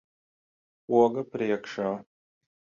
Poga priekšā.